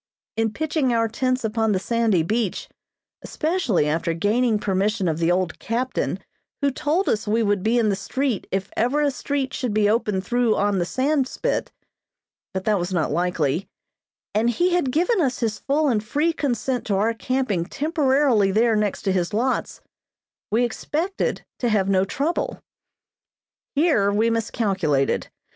In pitching our tents upon the sandy beach, especially after gaining permission of the old captain who told us we would be in the street if ever a street should be opened through on the Sandspit, but that was not likely, and he had given us his full and free consent to our camping temporarily there next his lots, we expected to have no trouble. Here we miscalculated.